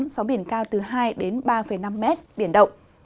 gió biển cao từ hai ba năm m biển động